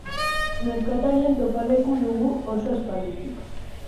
Merkatarien topaleku dugu oso aspalditik.